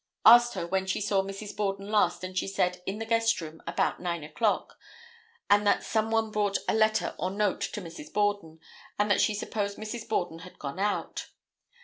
Asked her when she saw Mrs. Borden last and she said, 'In the guest room, about nine o'clock,' and that some one brought a letter or note to Mrs. Borden and that she supposed Mrs. Borden had gone out.